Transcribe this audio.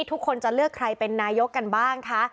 ทุกคนจะเลือกใครเป็นนายกกันบ้างคะ